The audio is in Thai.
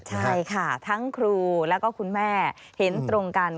ใช่ค่ะทั้งครูแล้วก็คุณแม่เห็นตรงกัน